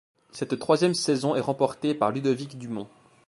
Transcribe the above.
Cette troisième saison est remportée par Ludovic Dumont.